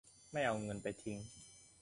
ไม่เอาเงินไปทิ้ง